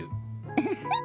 ウフフッ。